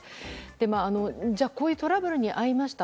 こういうトラブルにあいました。